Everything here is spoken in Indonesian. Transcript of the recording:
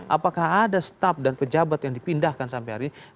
apakah ada staf dan pejabat yang dipindahkan sampai hari ini